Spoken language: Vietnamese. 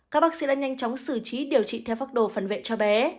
các bác sĩ đã nhanh chóng xử trí điều trị theo pháp đồ phần vệ cho bé